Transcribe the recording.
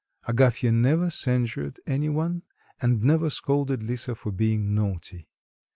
Agafya never censured any one, and never scolded Lisa for being naughty.